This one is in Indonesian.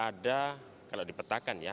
ada kalau dipetakan ya